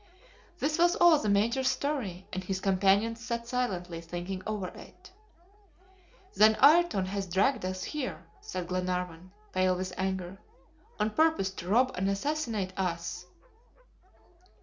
This was all the Major's story, and his companions sat silently thinking over it. "Then Ayrton has dragged us here," said Glenarvan, pale with anger, "on purpose to rob and assassinate us."